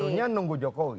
satunya menunggu jokowi